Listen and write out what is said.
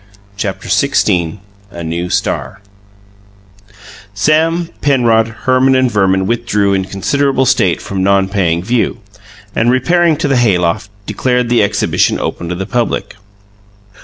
CHAPTER XVI THE NEW STAR Sam, Penrod, Herman, and Verman withdrew in considerable state from non paying view, and, repairing to the hay loft, declared the exhibition open to the public.